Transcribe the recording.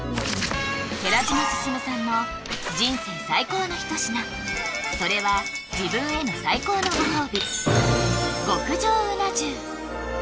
寺島進さんの人生最高の一品それは自分への最高のご褒美極上